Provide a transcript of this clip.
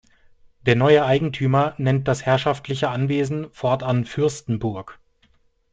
Der neue Eigentümer nennt das herrschaftliche Anwesen fortan "Fürstenburg".